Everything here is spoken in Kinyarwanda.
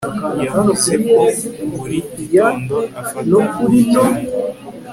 Yavuze ko buri gitondo afata urugendo